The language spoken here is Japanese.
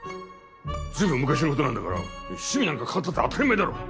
随分昔の事なんだから趣味なんか変わったって当たり前だろ！